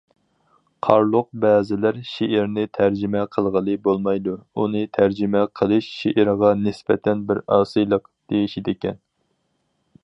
قارلۇق: بەزىلەر:« شېئىرنى تەرجىمە قىلغىلى بولمايدۇ، ئۇنى تەرجىمە قىلىش شېئىرغا نىسبەتەن بىر ئاسىيلىق» دېيىشىدىكەن.